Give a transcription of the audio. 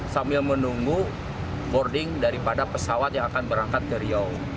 sambil menunggu boarding daripada pesawat yang akan berangkat ke riau